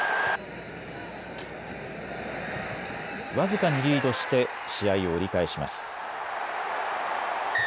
僅かにリードして試合を折り返します。